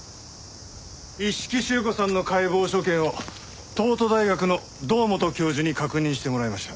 一色朱子さんの解剖所見を東都大学の堂本教授に確認してもらいました。